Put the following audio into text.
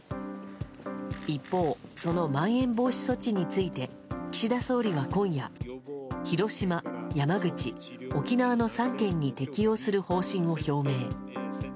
一方、そのまん延防止措置について岸田総理は今夜広島、山口、沖縄の３県に適用する方針を表明。